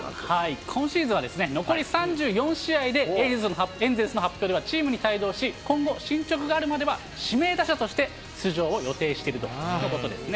今シーズンは残り３４試合でエンゼルスの発表では、チームに帯同し、今後、進捗があるまでは指名打者として出場を予定しているとのことですね。